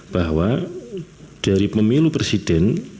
bahwa dari pemilu presiden